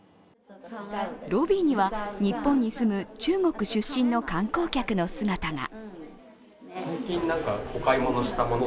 ロビーには日本に住む中国出身の観光客の姿が。